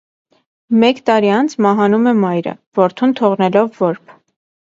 Մեկ տարի անց մահանում է մայրը՝ որդուն թողնելով որբ։